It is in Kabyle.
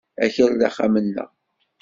Akal d axxam-nneɣ.